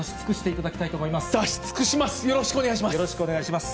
よろしくお願いします。